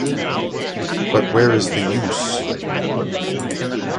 But where is the use?